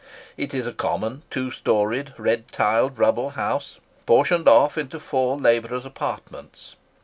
It is a common two storied, red tiled, rubble house, portioned off into four labourers' apartments.